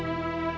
kamu mau ke pos